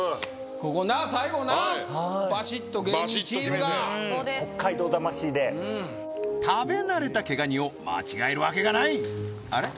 ここな最後なバシッと芸人チームがそうです北海道魂で食べ慣れた毛ガニを間違えるわけがないあれ？